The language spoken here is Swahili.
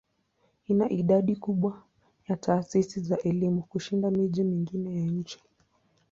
Ina idadi kubwa ya taasisi za elimu kushinda miji mingine ya nchi.